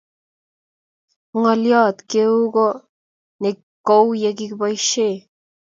ng'oliot, keeu ko nee kou ye kikiboisie?